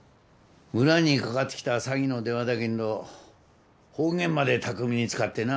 村にかかってきた詐欺の電話だけんど方言まで巧みに使ってなぁ。